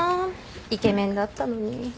イケメンだったのに。